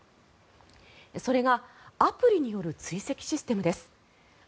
それがアプリによる追跡システムです。